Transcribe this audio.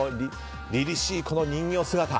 りりしいこの人形姿。